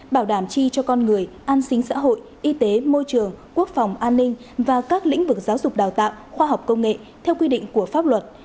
bảo đảm chi cho con người an sinh xã hội y tế môi trường quốc phòng an ninh và các lĩnh vực giáo dục đào tạo khoa học công nghệ theo quy định của pháp luật